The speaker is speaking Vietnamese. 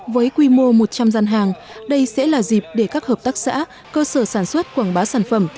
với quy mô một trăm linh gian hàng đây sẽ là dịp để các hợp tác xã cơ sở sản xuất quảng bá sản phẩm